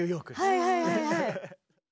はいはいはいはい。